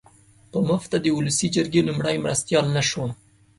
په مفته د اولسي جرګې لومړی مرستیال نه شوم.